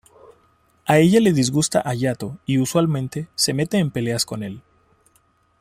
A ella le disgusta Hayato y usualmente se mete en peleas con el.